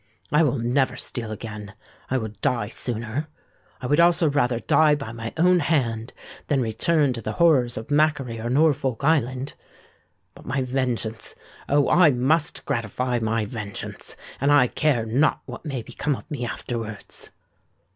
I will never steal again: I will die sooner. I would also rather die by my own hand than return to the horrors of Macquarie or Norfolk Island. But my vengeance—Oh! I must gratify my vengeance;—and I care not what may become of me afterwards!"